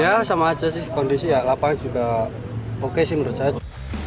ya sama aja sih kondisi ya lapangan juga oke sih menurut saya